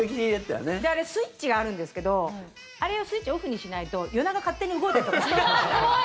スイッチがあるんですけどあれ、スイッチをオフにしないと夜中、勝手に動いたりとかして。